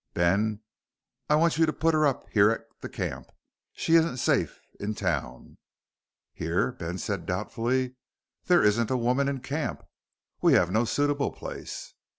"Ben, I want you to put her up here at the camp. She isn't safe in town." "Here?" Ben said doubtfully. "There isn't a woman in camp. We have no suitable place."